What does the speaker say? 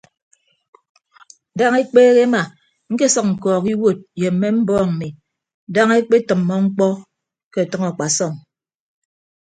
Daña ekpeehe ema ñkesʌk ñkọọk iwuod ye mme mbọọñ mmi daña ekpetʌmmọ mkpọ ke ọtʌñ akpasọm.